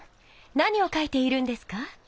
何を書いているんですか？